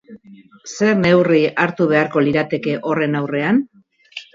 Zer neurri hartu beharko lirateke horren aurrean?